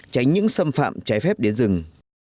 tránh những xâm phạm trái phép đến rừng